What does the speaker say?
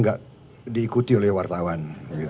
gak diikuti oleh wartawan